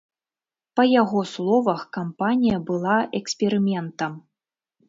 Па яго словах, кампанія была эксперыментам.